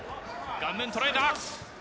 顔面捉えた。